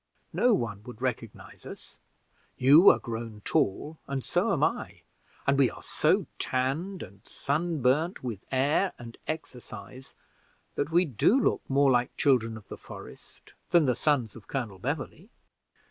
No one would recognize us; you are grown tall and so am I, and we are so tanned and sunburned with air and exercise, that we do look more like Children of the Forest than the sons of Colonel Beverley."